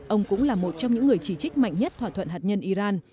ông cũng là một trong những người chỉ trích mạnh nhất thỏa thuận hạt nhân iran